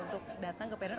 untuk datang ke perindo